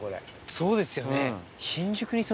そうですよね。